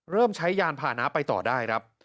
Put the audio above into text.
เริ่มใช้ยานผ่าน้าไปต่อได้ครับ